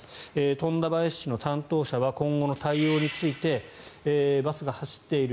富田林市の担当者は今後の対応についてバスが走っている